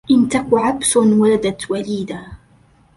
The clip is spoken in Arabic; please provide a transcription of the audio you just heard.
إن تك عبس ولدت وليدا